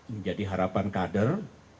menjadi harapan kader